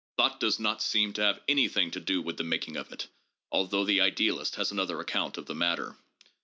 Thought does not seem to have anything to do with the making of it— although the idealist has another aeeount of the matter.